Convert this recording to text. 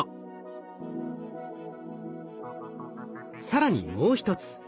更にもう一つ。